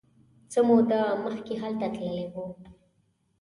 څه موده مخکې هلته تللی و.